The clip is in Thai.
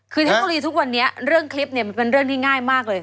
คือเทคโนโลยีทุกวันนี้เรื่องคลิปเนี่ยมันเป็นเรื่องที่ง่ายมากเลย